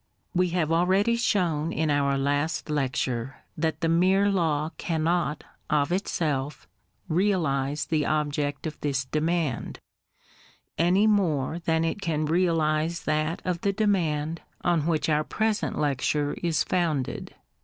We have already shown in our last lecture that the mere law cannot, of itself, realize the object of this demand, any more than it can realize that of the demand on which our present lecture is founded.